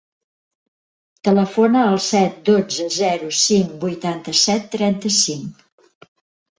Telefona al set, dotze, zero, cinc, vuitanta-set, trenta-cinc.